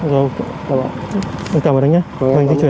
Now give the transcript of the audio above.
rồi em chào mọi người anh nhé